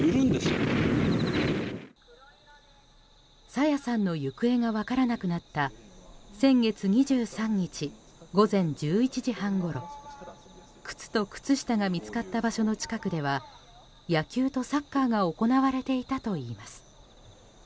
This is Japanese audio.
朝芽さんの行方が分からなくなった先月２３日、午前１１時半ごろ靴と靴下が見つかった場所の近くでは野球とサッカーが行われていたといいます。